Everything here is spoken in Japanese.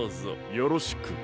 よろしく。